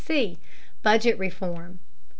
BUDGET REFORM 458.